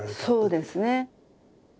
そうですね。